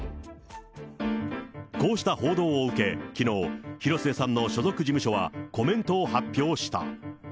こうした報道を受け、きのう、広末さんの所属事務所はコメントを発表した。